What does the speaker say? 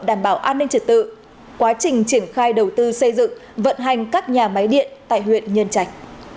đảm bảo an ninh trật tự quá trình triển khai đầu tư xây dựng vận hành các nhà máy điện tại huyện nhân trạch